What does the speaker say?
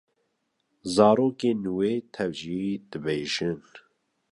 Zarokên wê tev jî dibêjin.